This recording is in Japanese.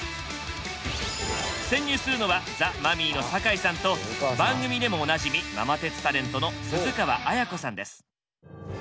潜入するのはザ・マミィの酒井さんと番組でもおなじみママ鉄タレントの鈴川絢子さんです。